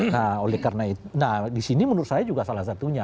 nah disini menurut saya juga salah satunya